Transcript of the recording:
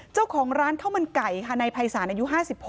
เจ้าของร้านข้าวมันไก่ค่ะในภัยศาลอายุ๕๖